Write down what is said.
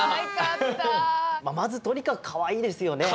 まずとにかくかわいいですよね！